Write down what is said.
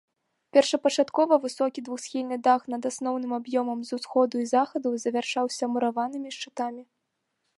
Першапачаткова высокі двухсхільны дах над асноўным аб'ёмам з усходу і захаду завяршаўся мураванымі шчытамі.